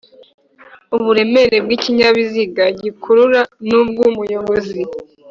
uburemere bw'ikinyabiziga gikurura n'ubw'umuyobozi.